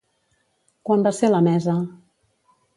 Quan va ser la mesa?